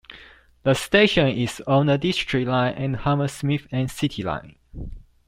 The station is on the District line and Hammersmith and City line.